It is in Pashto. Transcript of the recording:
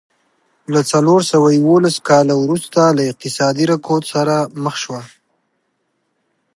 له څلور سوه یوولس کاله وروسته له اقتصادي رکود سره مخ شوه.